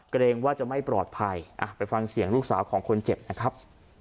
เกรงว่าจะไม่ปลอดภัยไปฟังเสียงลูกสาวของคนเจ็บนะครับ